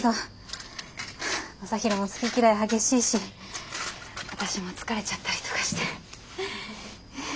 将大も好き嫌い激しいし私も疲れちゃったりとかして。